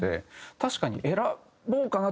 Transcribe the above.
確かに選ぼうかな？